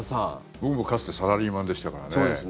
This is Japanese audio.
僕もかつてサラリーマンでしたからね。